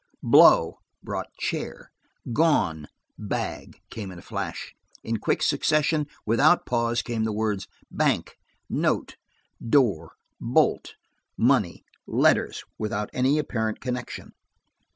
"Blow" brought "chair." "Gone." "Bag" came like a flash. In quick succession, without pause, came the words– "Bank." "Note." "Door." "Bolt." "Money." "Letters," without any apparent connection.